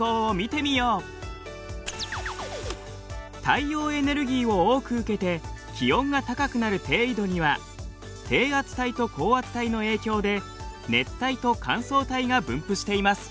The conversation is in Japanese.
太陽エネルギーを多く受けて気温が高くなる低緯度には低圧帯と高圧帯の影響で熱帯と乾燥帯が分布しています。